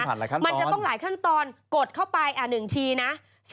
มันจะต้องหลายขั้นตอนกดเข้าไป๑ทีนะ